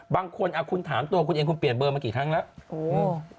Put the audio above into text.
บางคนคุณถามตัวคุณเองคุณเปลี่ยนเบอร์มากี่ครั้งแล้ว